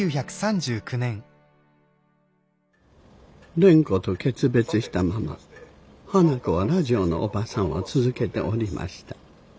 蓮子と決別したまま花子はラジオのおばさんを続けておりました。